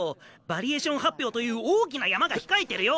ヴァリエーション発表という大きな山が控えてるよ。